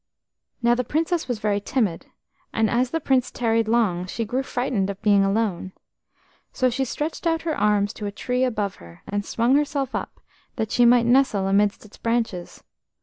Now the Princess was very timid, and as the Prince tarried long she grew frightened of being alone. So she stretched out her arms to a tree above her, and swung herself up that she might nestle amidst its branches.